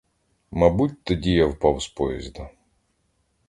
Мабуть, тоді я впав з поїзда.